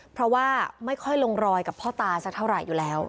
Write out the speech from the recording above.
เพราะว่าไม่ค่อยลงรอยกับพ่อตาสักเท่าไหร่อยู่แล้ว